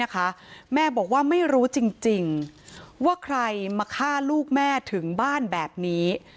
แม่บอกว่าไม่รู้จริงว่าใครมาฆ่าลูกแม่ถึงบ้านแบบนี้